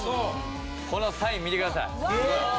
このサイン見てください。